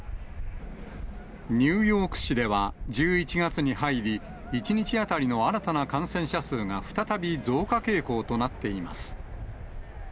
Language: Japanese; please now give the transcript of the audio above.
ニューヨーク市では１１月に入り、１日当たりの新たな感染者数が再び増加傾向となっています。